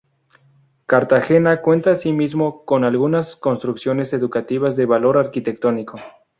Cartagena cuenta así mismo con algunas construcciones educativas de valor arquitectónico.